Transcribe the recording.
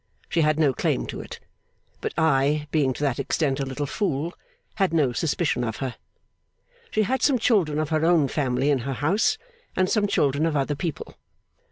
She had no claim to it, but I being to that extent a little fool had no suspicion of her. She had some children of her own family in her house, and some children of other people.